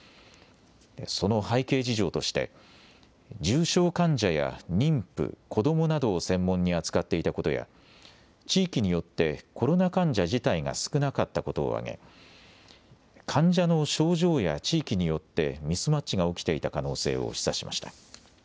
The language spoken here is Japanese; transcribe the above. その背景事情として重症患者や妊婦、子どもなどを専門に扱っていたことや地域によってコロナ患者自体が少なかったことを挙げ患者の症状や地域によってミスマッチが起きていた可能性を示唆しました。